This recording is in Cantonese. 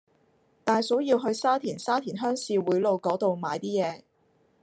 大嫂要去沙田沙田鄉事會路嗰度買啲嘢